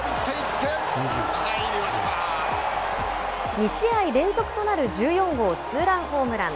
２試合連続となる１４号ツーランホームラン。